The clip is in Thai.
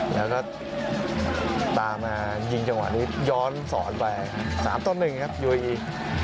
แล้วก็ตามมายิงจังหวะนี้ย้อนสอนไปสามต้นหนึ่งครับยูเอียอี